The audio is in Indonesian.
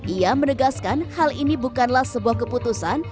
ia menegaskan hal ini bukanlah sebuah keputusan